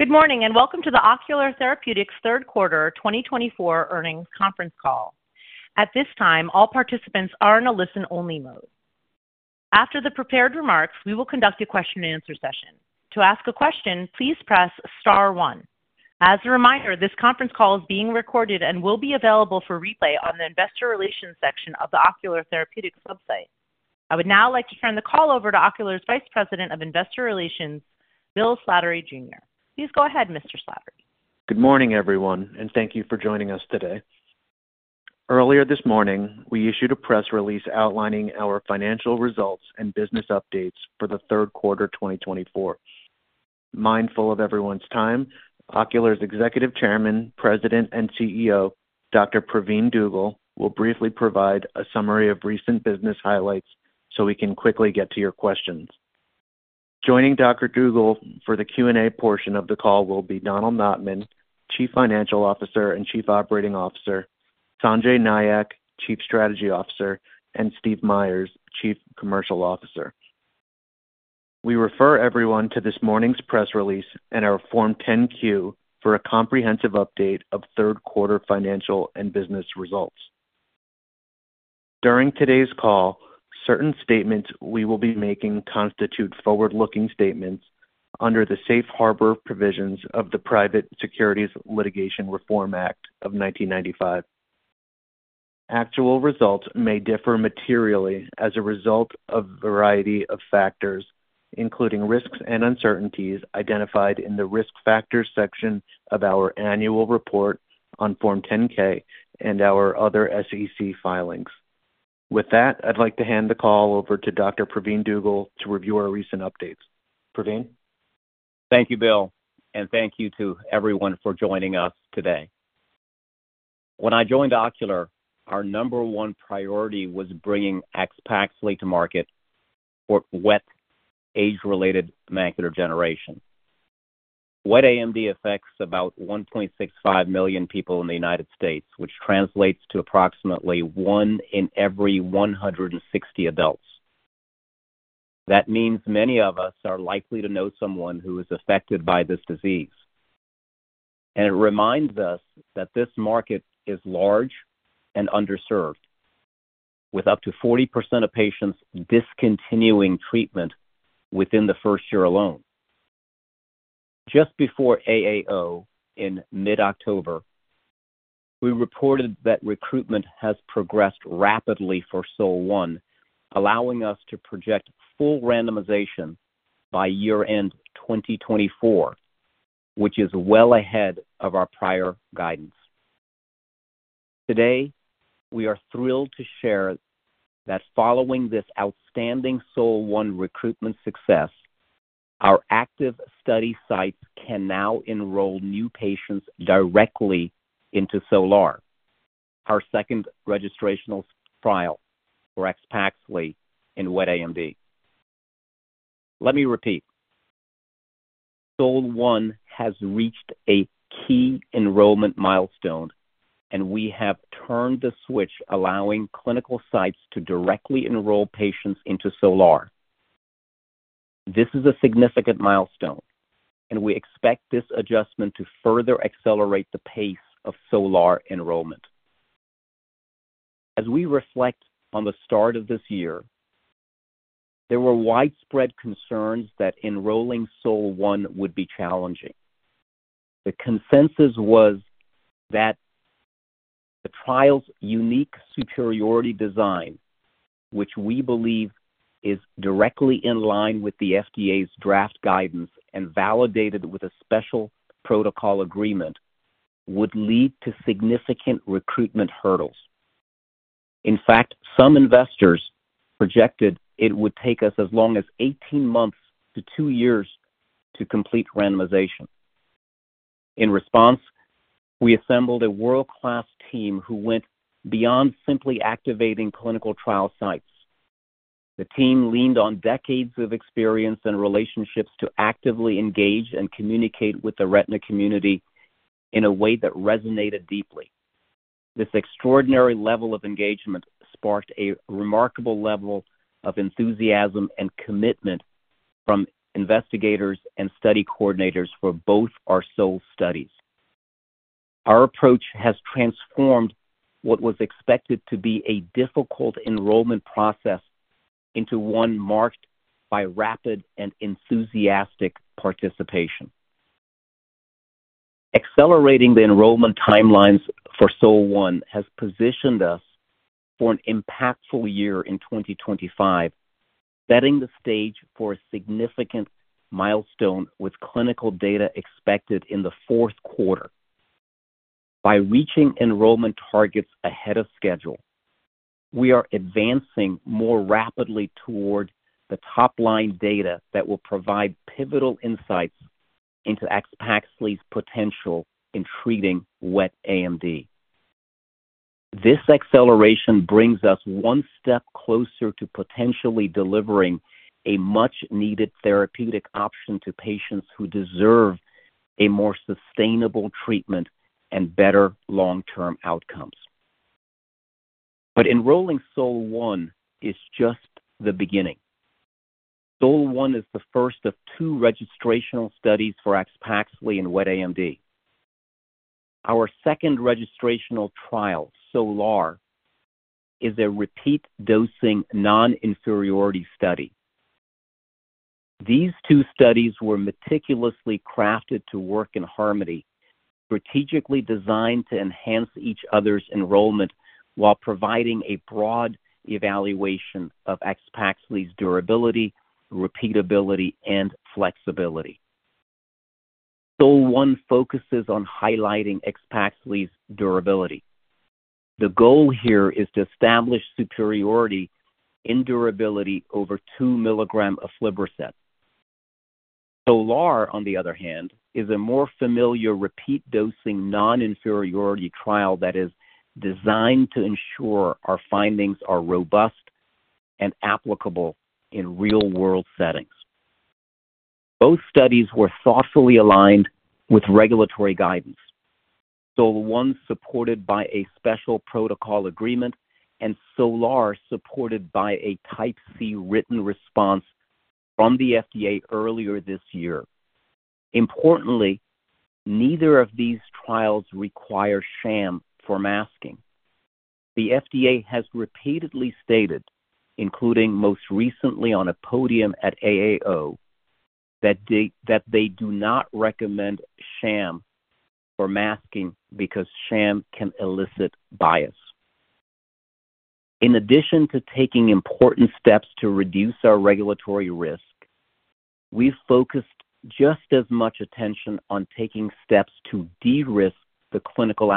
Good morning and welcome to the Ocular Therapeutix 3rd quarter 2024 earnings conference call. At this time, all participants are in a listen-only mode. After the prepared remarks, we will conduct a question-and-answer session. To ask a question, please press star one. As a reminder, this conference call is being recorded and will be available for replay on the investor relations section of the Ocular Therapeutix website. I would now like to turn the call over to Ocular's Vice President of Investor Relations, Bill Slattery, Jr. Please go ahead, Mr. Slattery. Good morning, everyone, and thank you for joining us today. Earlier this morning, we issued a press release outlining our financial results and business updates for the 3rd quarter 2024. Mindful of everyone's time, Ocular's Executive Chairman, President, and CEO, Dr. Pravin Dugel, will briefly provide a summary of recent business highlights so we can quickly get to your questions. Joining Dr. Dugel for the Q&A portion of the call will be Donald Notman, Chief Financial Officer and Chief Operating Officer, Sanjay Nayak, Chief Strategy Officer, and Steve Meyers, Chief Commercial Officer. We refer everyone to this morning's press release and our Form 10-Q for a comprehensive update of third quarter financial and business results. During today's call, certain statements we will be making constitute forward-looking statements under the safe harbor provisions of the Private Securities Litigation Reform Act of 1995. Actual results may differ materially as a result of a variety of factors, including risks and uncertainties identified in the risk factors section of our annual report on Form 10-K and our other SEC filings. With that, I'd like to hand the call over to Dr. Pravin Dugel to review our recent updates. Pravin? Thank you, Bill, and thank you to everyone for joining us today. When I joined Ocular, our number one priority was bringing AXPAXLI to market for wet age-related macular degeneration. Wet AMD affects about 1.65 million people in the United States, which translates to approximately one in every 160 adults. That means many of us are likely to know someone who is affected by this disease, and it reminds us that this market is large and underserved, with up to 40% of patients discontinuing treatment within the first year alone. Just before AAO in mid-October, we reported that recruitment has progressed rapidly for SOL-1, allowing us to project full randomization by year-end 2024, which is well ahead of our prior guidance. Today, we are thrilled to share that following this outstanding SOL-1 recruitment success, our active study sites can now enroll new patients directly into SOL-R, our second registration trial for AXPAXLI in wet AMD. Let me repeat: SOL-1 has reached a key enrollment milestone, and we have turned the switch, allowing clinical sites to directly enroll patients into SOL-R. This is a significant milestone, and we expect this adjustment to further accelerate the pace of SOL-R enrollment. As we reflect on the start of this year, there were widespread concerns that enrolling SOL-1 would be challenging. The consensus was that the trial's unique superiority design, which we believe is directly in line with the FDA's draft guidance and validated with a special protocol agreement, would lead to significant recruitment hurdles. In fact, some investors projected it would take us as long as 18 months to two years to complete randomization. In response, we assembled a world-class team who went beyond simply activating clinical trial sites. The team leaned on decades of experience and relationships to actively engage and communicate with the retina community in a way that resonated deeply. This extraordinary level of engagement sparked a remarkable level of enthusiasm and commitment from investigators and study coordinators for both our SOL studies. Our approach has transformed what was expected to be a difficult enrollment process into one marked by rapid and enthusiastic participation. Accelerating the enrollment timelines for SOL-1 has positioned us for an impactful year in 2025, setting the stage for a significant milestone with clinical data expected in the fourth quarter. By reaching enrollment targets ahead of schedule, we are advancing more rapidly toward the top-line data that will provide pivotal insights into AXPAXLI potential in treating wet AMD. This acceleration brings us one step closer to potentially delivering a much-needed therapeutic option to patients who deserve a more sustainable treatment and better long-term outcomes. But enrolling SOL-1 is just the beginning. SOL-1 is the first of two registrational studies for AXPAXLI in wet AMD. Our second registrational trial, SOL-R, is a repeat dosing non-inferiority study. These two studies were meticulously crafted to work in harmony, strategically designed to enhance each other's enrollment while providing a broad evaluation of AXPAXLI's durability, repeatability, and flexibility. SOL-1 focuses on highlighting AXPAXLI's durability. The goal here is to establish superiority in durability over 2 mg of aflibercept. SOL-R, on the other hand, is a more familiar repeat dosing non-inferiority trial that is designed to ensure our findings are robust and applicable in real-world settings. Both studies were thoughtfully aligned with regulatory guidance: SOL-1 supported by a special protocol agreement and SOL-R supported by a Type C written response from the FDA earlier this year. Importantly, neither of these trials require sham for masking. The FDA has repeatedly stated, including most recently on a podium at AAO, that they do not recommend sham for masking because sham can elicit bias. In addition to taking important steps to reduce our regulatory risk, we've focused just as much attention on taking steps to de-risk the clinical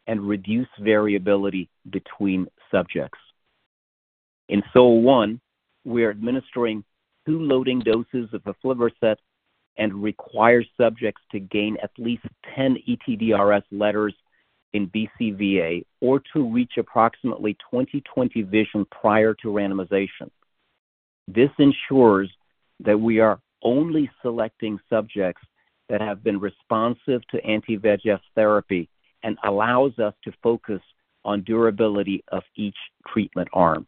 outcomes and reduce variability between subjects. In SOL-1, we're administering two loading doses of the aflibercept and require subjects to gain at least 10 ETDRS letters in BCVA or to reach approximately 20/20 vision prior to randomization. This ensures that we are only selecting subjects that have been responsive to anti-VEGF therapy and allows us to focus on durability of each treatment arm.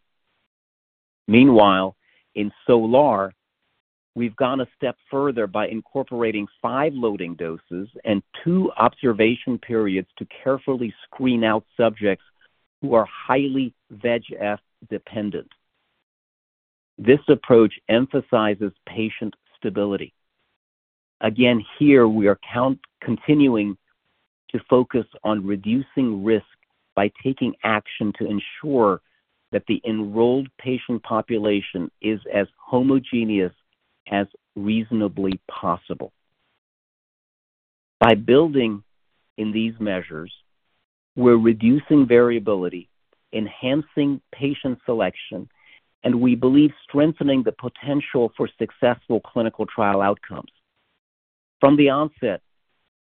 Meanwhile, in SOL-R, we've gone a step further by incorporating five loading doses and two observation periods to carefully screen out subjects who are highly VEGF dependent. This approach emphasizes patient stability. Again, here we are continuing to focus on reducing risk by taking action to ensure that the enrolled patient population is as homogeneous as reasonably possible. By building in these measures, we're reducing variability, enhancing patient selection, and we believe strengthening the potential for successful clinical trial outcomes. From the onset,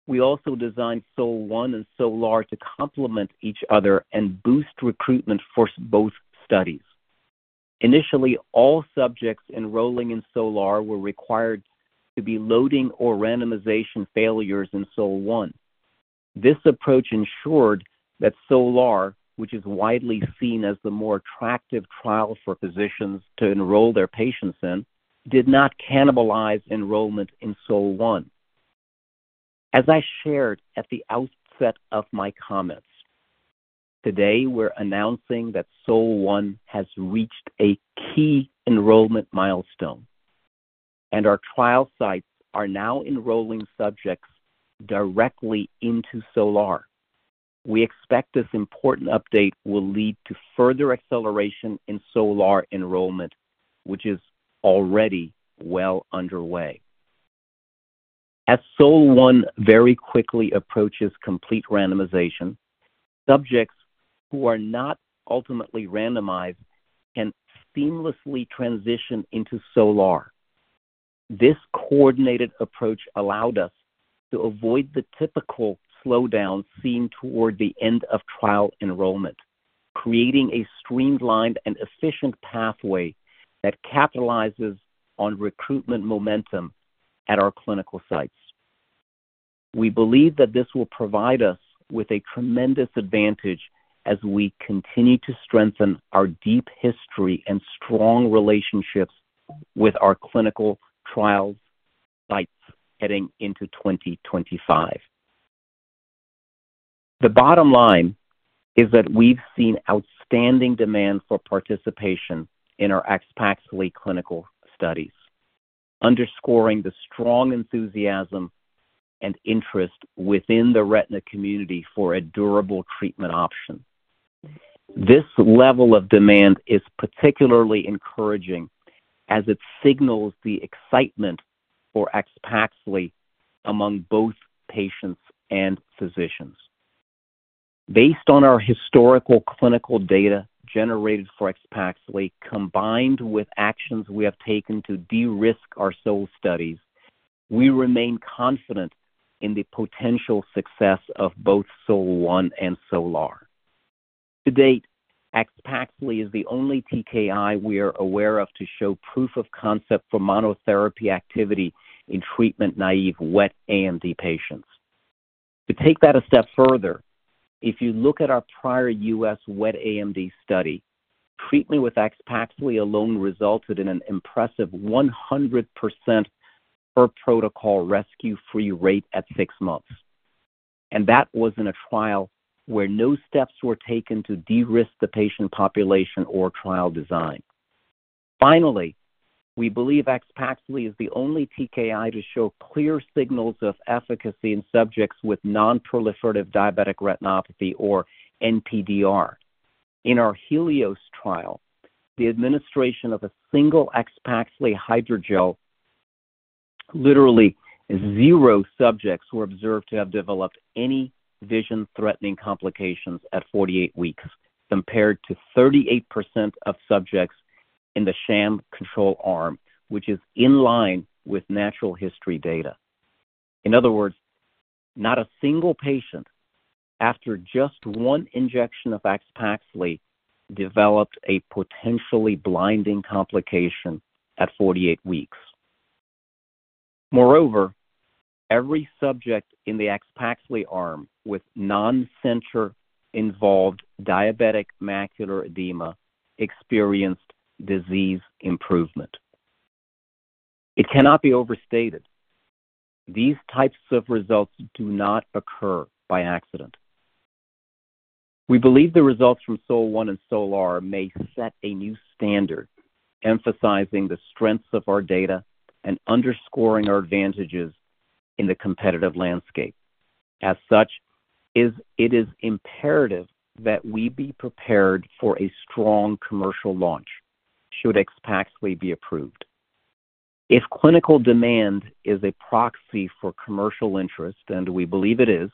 we also designed SOL-1 and SOL-R to complement each other and boost recruitment for both studies. Initially, all subjects enrolling in SOL-R were required to be loading or randomization failures in SOL-1. This approach ensured that SOL-R, which is widely seen as the more attractive trial for physicians to enroll their patients in, did not cannibalize enrollment in SOL-1. As I shared at the outset of my comments, today we're announcing that SOL-1 has reached a key enrollment milestone, and our trial sites are now enrolling subjects directly into SOL-R. We expect this important update will lead to further acceleration in SOL-R enrollment, which is already well underway. As SOL-1 very quickly approaches complete randomization, subjects who are not ultimately randomized can seamlessly transition into SOL-R. This coordinated approach allowed us to avoid the typical slowdown seen toward the end of trial enrollment, creating a streamlined and efficient pathway that capitalizes on recruitment momentum at our clinical sites. We believe that this will provide us with a tremendous advantage as we continue to strengthen our deep history and strong relationships with our clinical trial sites heading into 2025. The bottom line is that we've seen outstanding demand for participation in our AXPAXLI clinical studies, underscoring the strong enthusiasm and interest within the retina community for a durable treatment option. This level of demand is particularly encouraging as it signals the excitement for AXPAXLI among both patients and physicians. Based on our historical clinical data generated for AXPAXLI, combined with actions we have taken to de-risk our SOL studies, we remain confident in the potential success of both SOL-1 and SOL-R. To date, AXPAXLI is the only TKI we are aware of to show proof of concept for monotherapy activity in treatment-naive wet AMD patients. To take that a step further, if you look at our prior U.S. wet AMD study, treatment with AXPAXLI alone resulted in an impressive 100% per protocol rescue-free rate at six months, and that was in a trial where no steps were taken to de-risk the patient population or trial design. Finally, we believe AXPAXLI is the only TKI to show clear signals of efficacy in subjects with non-proliferative diabetic retinopathy or NPDR. In our HELIOS trial, the administration of a single AXPAXLI hydrogel. Literally zero subjects were observed to have developed any vision-threatening complications at 48 weeks, compared to 38% of subjects in the sham control arm, which is in line with natural history data. In other words, not a single patient after just one injection of AXPAXLI developed a potentially blinding complication at 48 weeks. Moreover, every subject in the AXPAXLI arm with non-center-involved diabetic macular edema experienced disease improvement. It cannot be overstated. These types of results do not occur by accident. We believe the results from SOL-1 and SOL-R may set a new standard emphasizing the strengths of our data and underscoring our advantages in the competitive landscape. As such, it is imperative that we be prepared for a strong commercial launch should AXPAXLI be approved. If clinical demand is a proxy for commercial interest, and we believe it is,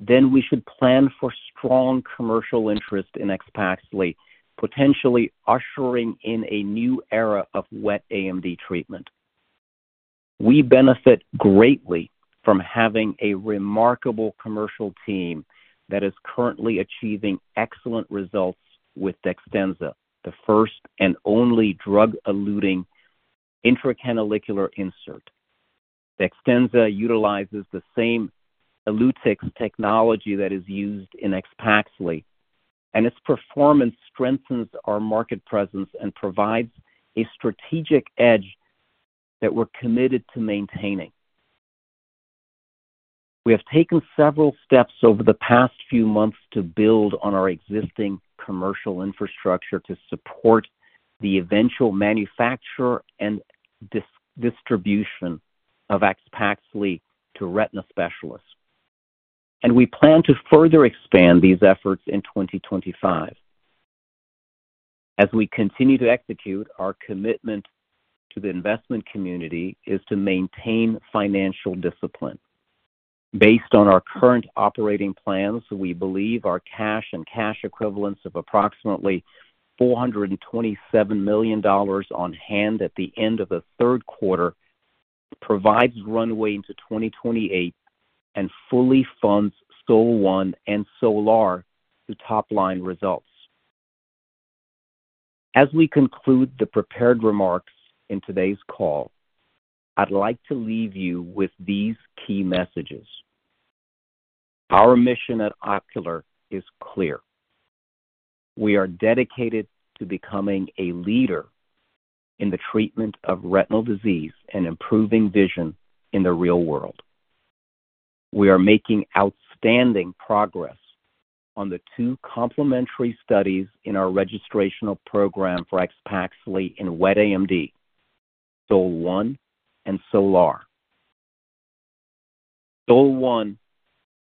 then we should plan for strong commercial interest in AXPAXLI, potentially ushering in a new era of wet AMD treatment. We benefit greatly from having a remarkable commercial team that is currently achieving excellent results with DEXTENZA, the first and only drug-eluting intracanalicular insert. DEXTENZA utilizes the same ELUTYX technology that is used in AXPAXLI, and its performance strengthens our market presence and provides a strategic edge that we're committed to maintaining. We have taken several steps over the past few months to build on our existing commercial infrastructure to support the eventual manufacture and distribution of AXPAXLI to retina specialists, and we plan to further expand these efforts in 2025. As we continue to execute, our commitment to the investment community is to maintain financial discipline. Based on our current operating plans, we believe our cash and cash equivalents of approximately $427 million on hand at the end of the third quarter provides runway into 2028 and fully funds SOL-1 and SOL-R to top-line results. As we conclude the prepared remarks in today's call, I'd like to leave you with these key messages. Our mission at Ocular is clear. We are dedicated to becoming a leader in the treatment of retinal disease and improving vision in the real world. We are making outstanding progress on the two complementary studies in our registrational program for AXPAXLI in wet AMD, SOL-1 and SOL-R. SOL-1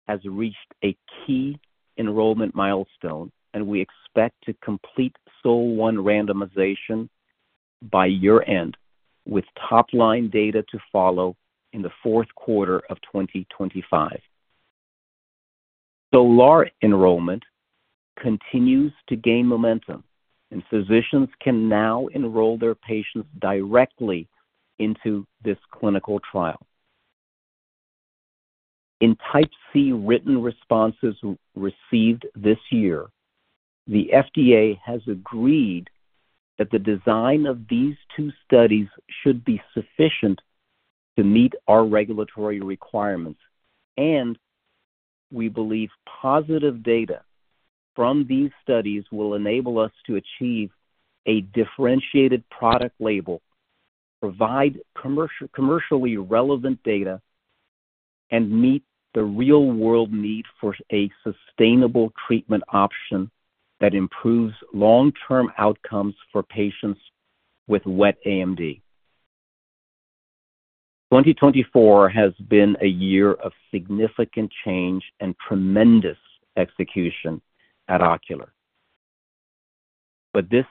has reached a key enrollment milestone, and we expect to complete SOL-1 randomization by year-end with top-line data to follow in the 4th quarter of 2025. SOL-R enrollment continues to gain momentum, and physicians can now enroll their patients directly into this clinical trial. In Type C written responses received this year, the FDA has agreed that the design of these two studies should be sufficient to meet our regulatory requirements, and we believe positive data from these studies will enable us to achieve a differentiated product label, provide commercially relevant data, and meet the real-world need for a sustainable treatment option that improves long-term outcomes for patients with wet AMD. 2024 has been a year of significant change and tremendous execution at Ocular Therapeutix, but this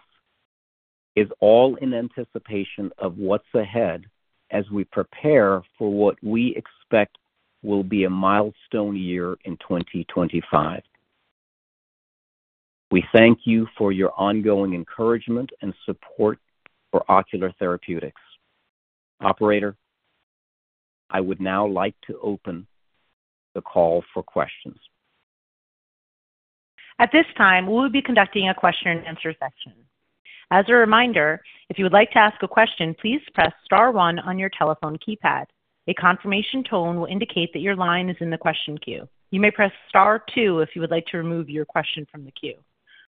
is all in anticipation of what's ahead as we prepare for what we expect will be a milestone year in 2025. We thank you for your ongoing encouragement and support for Ocular Therapeutix. Operator, I would now like to open the call for questions. At this time, we will be conducting a question-and-answer session. As a reminder, if you would like to ask a question, please press star one on your telephone keypad. A confirmation tone will indicate that your line is in the question queue. You may press star two if you would like to remove your question from the queue.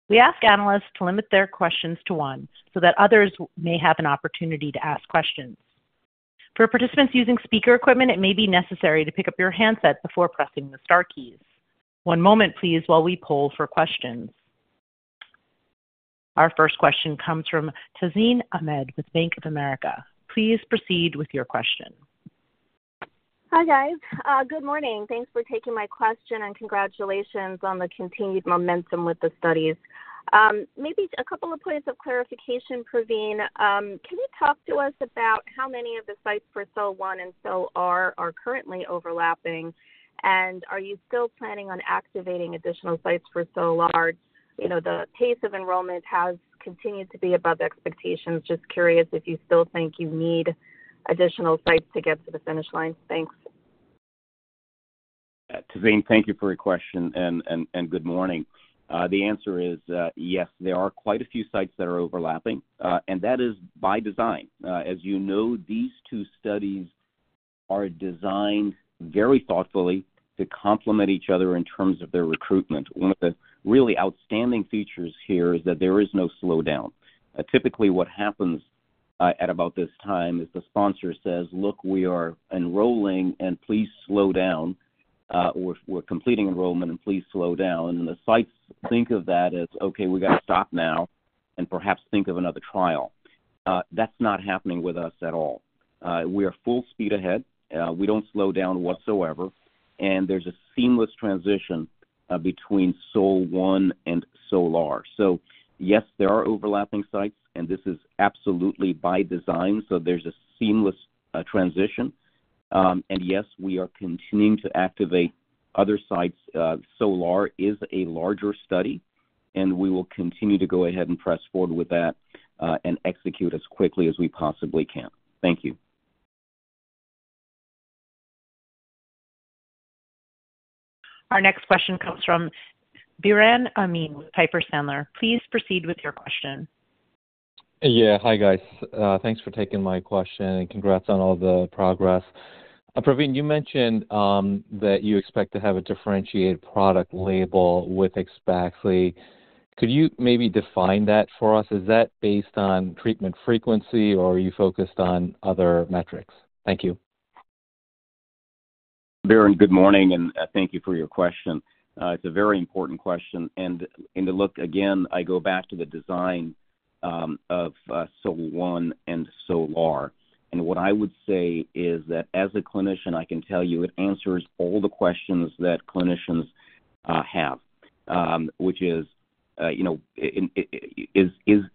We ask analysts to limit their questions to one so that others may have an opportunity to ask questions. For participants using speaker equipment, it may be necessary to pick up your handset before pressing the star keys. One moment, please, while we poll for questions. Our first question comes from Tazeen Ahmad with Bank of America. Please proceed with your question. Hi, guys. Good morning. Thanks for taking my question and congratulations on the continued momentum with the studies. Maybe a couple of points of clarification, Pravin. Can you talk to us about how many of the sites for SOL-1 and SOL-R are currently overlapping, and are you still planning on activating additional sites for SOL-R? The pace of enrollment has continued to be above expectations. Just curious if you still think you need additional sites to get to the finish line. Thanks. Tazeen, thank you for your question and good morning. The answer is yes. There are quite a few sites that are overlapping, and that is by design. As you know, these two studies are designed very thoughtfully to complement each other in terms of their recruitment. One of the really outstanding features here is that there is no slowdown. Typically, what happens at about this time is the sponsor says, "Look, we are enrolling and please slow down," or, "We're completing enrollment and please slow down." And the sites think of that as, "Okay, we got to stop now and perhaps think of another trial." That's not happening with us at all. We are full speed ahead. We don't slow down whatsoever, and there's a seamless transition between SOL-1 and SOL-R. So yes, there are overlapping sites, and this is absolutely by design, so there's a seamless transition. Yes, we are continuing to activate other sites. SOL-R is a larger study, and we will continue to go ahead and press forward with that and execute as quickly as we possibly can. Thank you. Our next question comes from Biren Amin with Piper Sandler. Please proceed with your question. Yeah. Hi, guys. Thanks for taking my question and congrats on all the progress. Pravin, you mentioned that you expect to have a differentiated product label with AXPAXLI. Could you maybe define that for us? Is that based on treatment frequency, or are you focused on other metrics? Thank you. Biren, good morning, and thank you for your question. It's a very important question. And look, again, I go back to the design of SOL-1 and SOL-R. And what I would say is that as a clinician, I can tell you it answers all the questions that clinicians have, which is,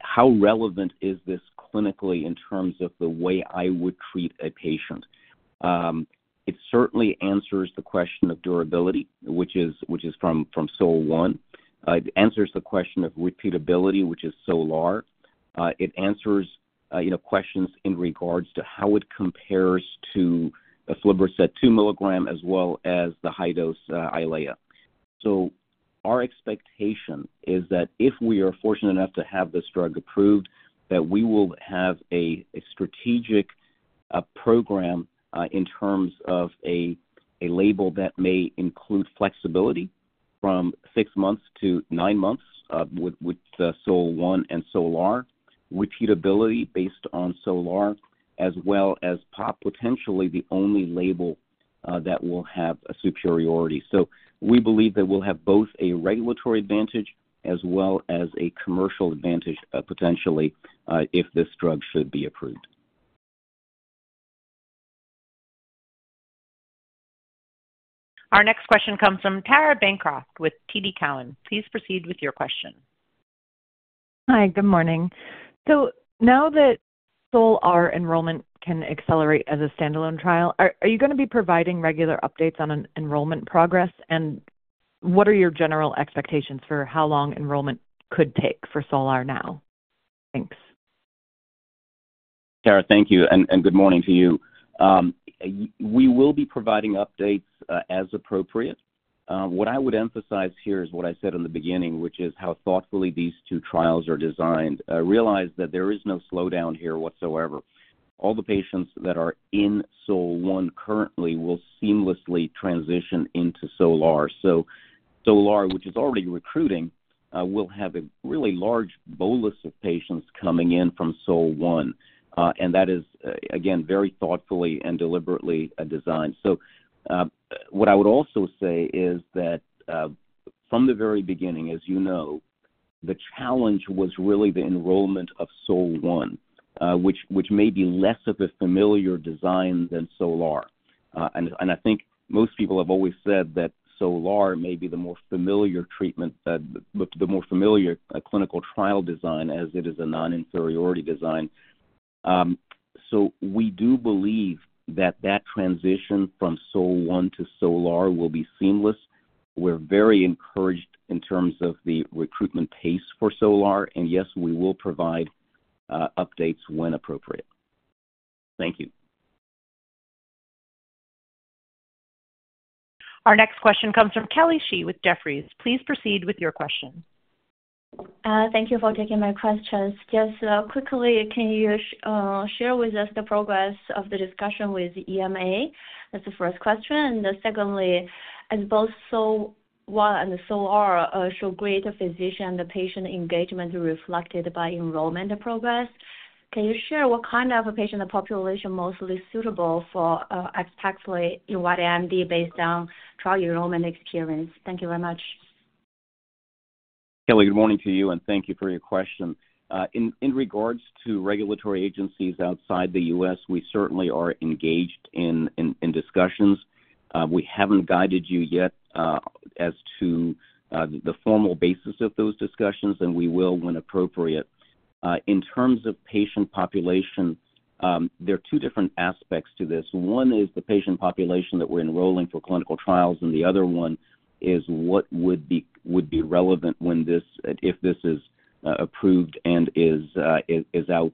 how relevant is this clinically in terms of the way I would treat a patient? It certainly answers the question of durability, which is from SOL-1. It answers the question of repeatability, which is SOL-R. It answers questions in regards to how it compares to the aflibercept 2 mg as well as the high-dose Eylea. Our expectation is that if we are fortunate enough to have this drug approved, that we will have a strategic program in terms of a label that may include flexibility from six months to nine months with SOL-1 and SOL-R, repeatability based on SOL-R, as well as potentially the only label that will have a superiority. We believe that we'll have both a regulatory advantage as well as a commercial advantage potentially if this drug should be approved. Our next question comes from Tara Bancroft with TD Cowen. Please proceed with your question. Hi, good morning. So now that SOL-R enrollment can accelerate as a standalone trial, are you going to be providing regular updates on enrollment progress, and what are your general expectations for how long enrollment could take for SOL-R now? Thanks. Tara, thank you and good morning to you. We will be providing updates as appropriate. What I would emphasize here is what I said in the beginning, which is how thoughtfully these two trials are designed. Realize that there is no slowdown here whatsoever. All the patients that are in SOL-1 currently will seamlessly transition into SOL-R. So SOL-R, which is already recruiting, will have a really large bolus of patients coming in from SOL-1. And that is, again, very thoughtfully and deliberately designed. So what I would also say is that from the very beginning, as you know, the challenge was really the enrollment of SOL-1, which may be less of a familiar design than SOL-R. And I think most people have always said that SOL-R may be the more familiar treatment, the more familiar clinical trial design as it is a non-inferiority design. So we do believe that that transition from SOL-1 to SOL-R will be seamless. We're very encouraged in terms of the recruitment pace for SOL-R. And yes, we will provide updates when appropriate. Thank you. Our next question comes from Kelly Shi with Jefferies. Please proceed with your question. Thank you for taking my questions. Just quickly, can you share with us the progress of the discussion with EMA? That's the first question. And secondly, as both SOL-1 and SOL-R show greater physician and patient engagement reflected by enrollment progress, can you share what kind of patient population is mostly suitable for AXPAXLI in wet AMD based on trial enrollment experience? Thank you very much. Kelly, good morning to you, and thank you for your question. In regards to regulatory agencies outside the U.S., we certainly are engaged in discussions. We haven't guided you yet as to the formal basis of those discussions, and we will when appropriate. In terms of patient population, there are two different aspects to this. One is the patient population that we're enrolling for clinical trials, and the other one is what would be relevant if this is approved and is out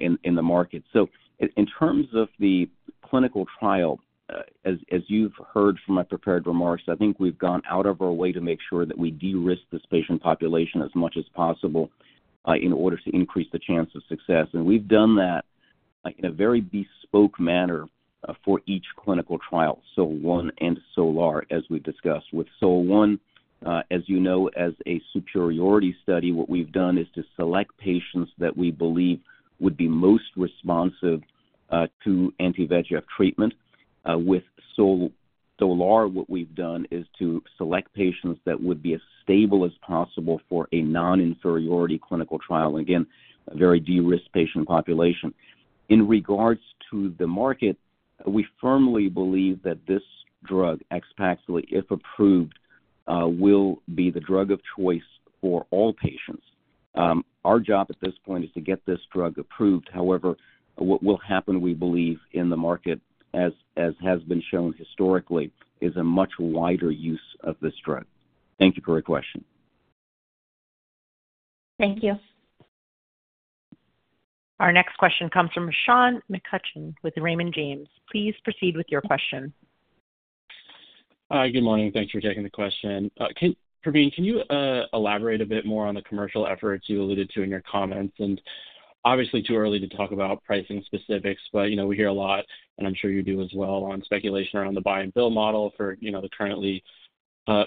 in the market, so in terms of the clinical trial, as you've heard from my prepared remarks, I think we've gone out of our way to make sure that we de-risk this patient population as much as possible in order to increase the chance of success, and we've done that in a very bespoke manner for each clinical trial, SOL-1 and SOL-R, as we've discussed. With SOL-1, as you know, as a superiority study, what we've done is to select patients that we believe would be most responsive to anti-VEGF treatment. With SOL-R, what we've done is to select patients that would be as stable as possible for a non-inferiority clinical trial. And again, a very de-risked patient population. In regards to the market, we firmly believe that this drug, AXPAXLI, if approved, will be the drug of choice for all patients. Our job at this point is to get this drug approved. However, what will happen, we believe, in the market, as has been shown historically, is a much wider use of this drug. Thank you for your question. Thank you. Our next question comes from Sean McCutcheon with Raymond James. Please proceed with your question. Hi, good morning. Thanks for taking the question. Pravin, can you elaborate a bit more on the commercial efforts you alluded to in your comments? And obviously, too early to talk about pricing specifics, but we hear a lot, and I'm sure you do as well, on speculation around the buy-and-bill model for the currently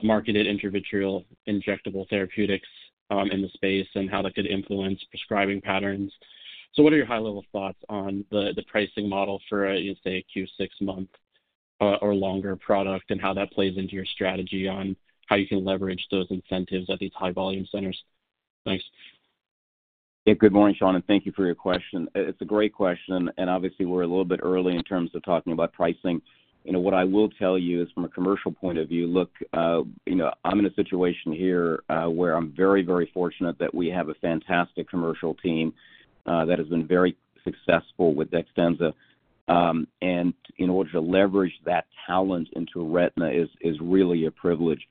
marketed intravitreal injectable therapeutics in the space and how that could influence prescribing patterns. So what are your high-level thoughts on the pricing model for, say, a Q6 month or longer product and how that plays into your strategy on how you can leverage those incentives at these high-volume centers? Thanks. Yeah, good morning, Sean, and thank you for your question. It's a great question, and obviously, we're a little bit early in terms of talking about pricing. What I will tell you is, from a commercial point of view, look, I'm in a situation here where I'm very, very fortunate that we have a fantastic commercial team that has been very successful with DEXTENZA. And in order to leverage that talent into retina is really a privilege.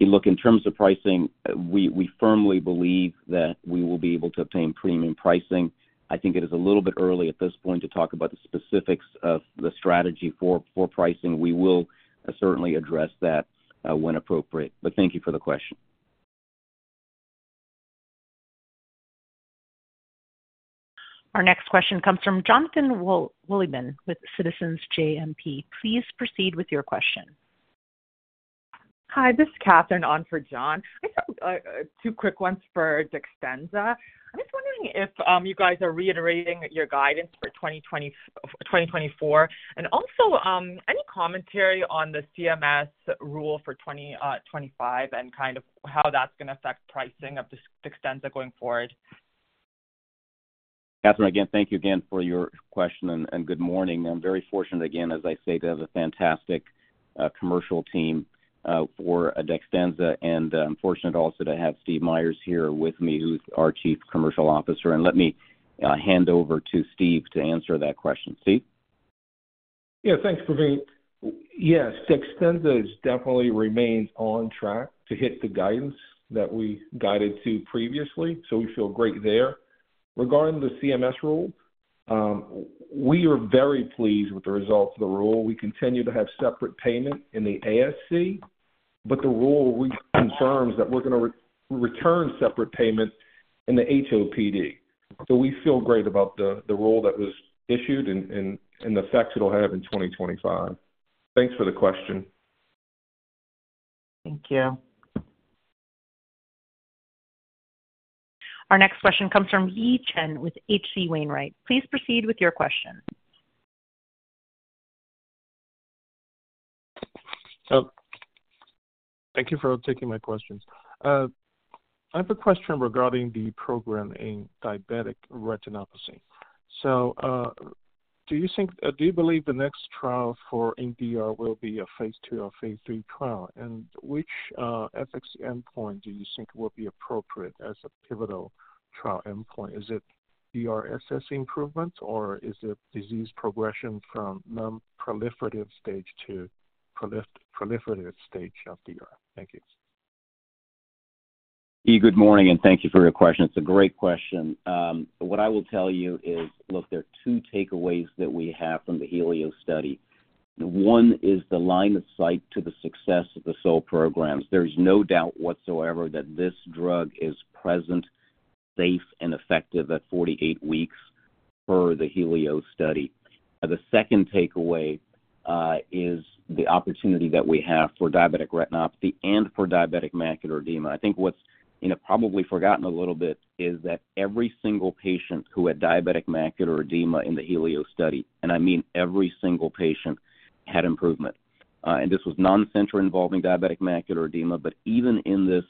Look, in terms of pricing, we firmly believe that we will be able to obtain premium pricing. I think it is a little bit early at this point to talk about the specifics of the strategy for pricing. We will certainly address that when appropriate. But thank you for the question. Our next question comes from Jonathan Wolleben with Citizens JMP. Please proceed with your question. Hi, this is Catherine on for John. I have two quick ones for DEXTENZA. I'm just wondering if you guys are reiterating your guidance for 2024 and also any commentary on the CMS rule for 2025 and kind of how that's going to affect pricing of DEXTENZA going forward. Catherine, again, thank you again for your question and good morning. I'm very fortunate again, as I say, to have a fantastic commercial team for DEXTENZA. And I'm fortunate also to have Steve Meyers here with me, who's our Chief Commercial Officer. And let me hand over to Steve to answer that question. Steve? Yeah, thanks, Pravin. Yes, DEXTENZA definitely remains on track to hit the guidance that we guided to previously, so we feel great there. Regarding the CMS rule, we are very pleased with the results of the rule. We continue to have separate payment in the ASC, but the rule confirms that we're going to return separate payment in the HOPD. So we feel great about the rule that was issued and the effect it'll have in 2025. Thanks for the question. Thank you. Our next question comes from Yi Chen with H.C. Wainwright. Please proceed with your question. Thank you for taking my questions. I have a question regarding the program in diabetic retinopathy. So do you believe the next trial for NPDR will be a phase II or phase III trial? And which efficacy endpoint do you think will be appropriate as a pivotal trial endpoint? Is it DRSS improvement, or is it disease progression from non-proliferative stage to proliferative stage of DR? Thank you. Good morning, and thank you for your question. It's a great question. What I will tell you is, look, there are two takeaways that we have from the HELIOS study. One is the line of sight to the success of the SOL programs. There is no doubt whatsoever that this drug is present, safe, and effective at 48 weeks per the HELIOS study. The second takeaway is the opportunity that we have for diabetic retinopathy and for diabetic macular edema. I think what's probably forgotten a little bit is that every single patient who had diabetic macular edema in the HELIOS study, and I mean every single patient, had improvement. And this was non-center-involving diabetic macular edema, but even in this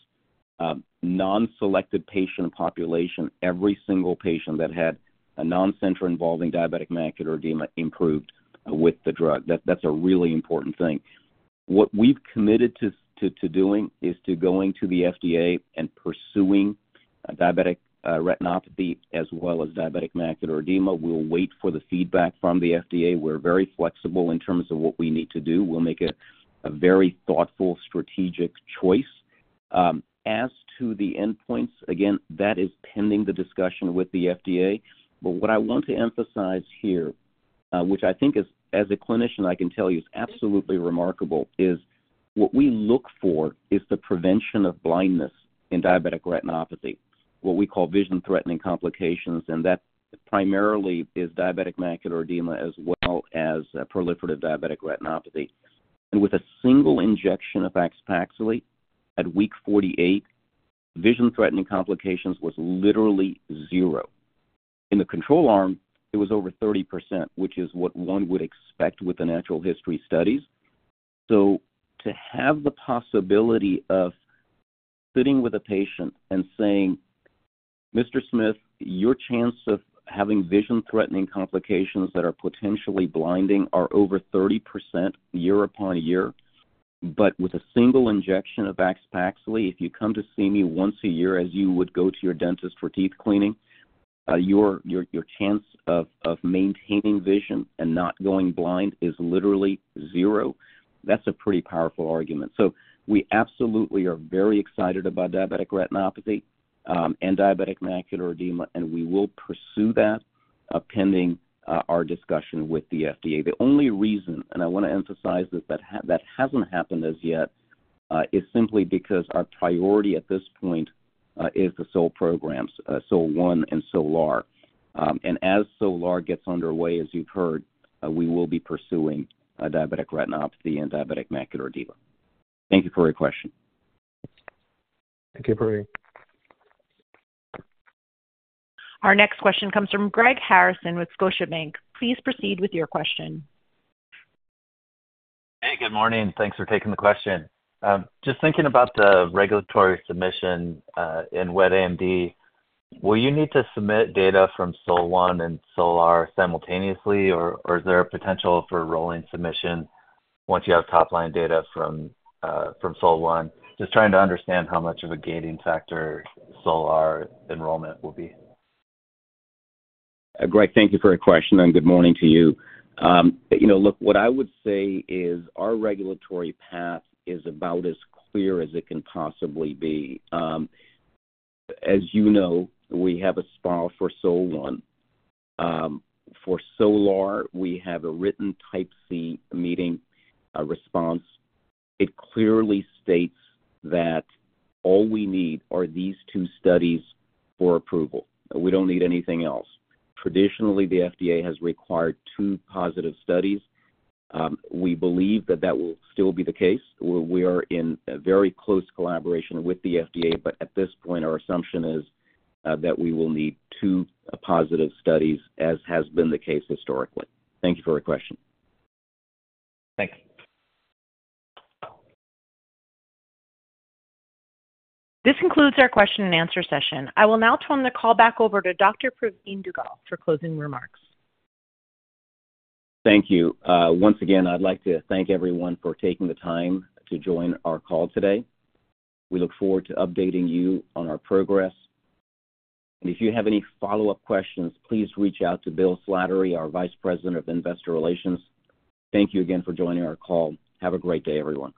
non-selected patient population, every single patient that had a non-center-involving diabetic macular edema improved with the drug. That's a really important thing. What we've committed to doing is to go into the FDA and pursuing diabetic retinopathy as well as diabetic macular edema. We'll wait for the feedback from the FDA. We're very flexible in terms of what we need to do. We'll make a very thoughtful, strategic choice. As to the endpoints, again, that is pending the discussion with the FDA. But what I want to emphasize here, which I think as a clinician I can tell you is absolutely remarkable, is what we look for is the prevention of blindness in diabetic retinopathy, what we call vision-threatening complications. That primarily is diabetic macular edema as well as proliferative diabetic retinopathy. And with a single injection of AXPAXLI at week 48, vision-threatening complications was literally zero. In the control arm, it was over 30%, which is what one would expect with the natural history studies. So to have the possibility of sitting with a patient and saying, "Mr. Smith, your chance of having vision-threatening complications that are potentially blinding are over 30% year upon year, but with a single injection of AXPAXLI, if you come to see me once a year as you would go to your dentist for teeth cleaning, your chance of maintaining vision and not going blind is literally zero." That's a pretty powerful argument. So we absolutely are very excited about diabetic retinopathy and diabetic macular edema, and we will pursue that pending our discussion with the FDA. The only reason, and I want to emphasize that that hasn't happened as yet, is simply because our priority at this point is the SOL programs, SOL-1 and SOL-R. And as SOL-R gets underway, as you've heard, we will be pursuing diabetic retinopathy and diabetic macular edema. Thank you for your question. Thank you, Pravin. Our next question comes from Greg Harrison with Scotiabank. Please proceed with your question. Hey, good morning. Thanks for taking the question. Just thinking about the regulatory submission in wet AMD, will you need to submit data from SOL-1 and SOL-R simultaneously, or is there a potential for rolling submission once you have top-line data from SOL-1? Just trying to understand how much of a gating factor SOL-R enrollment will be. Greg, thank you for your question, and good morning to you. Look, what I would say is our regulatory path is about as clear as it can possibly be. As you know, we have a SPA for SOL-1. For SOL-R, we have a written Type C meeting response. It clearly states that all we need are these two studies for approval. We don't need anything else. Traditionally, the FDA has required two positive studies. We believe that that will still be the case. We are in very close collaboration with the FDA, but at this point, our assumption is that we will need two positive studies, as has been the case historically. Thank you for your question. Thanks. This concludes our question-and-answer session. I will now turn the call back over to Dr. Pravin Dugel for closing remarks. Thank you. Once again, I'd like to thank everyone for taking the time to join our call today. We look forward to updating you on our progress, and if you have any follow-up questions, please reach out to Bill Slattery, our Vice President of Investor Relations. Thank you again for joining our call. Have a great day, everyone.